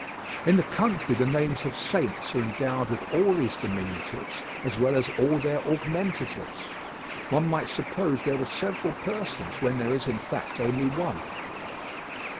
In the country the names of saints are endowed with all these diminutives as well as all their augmentatives. One might suppose there were several persons when there is, in fact, only one.